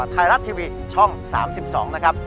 ไทยรัฐทีวีช่อง๓๒นะครับ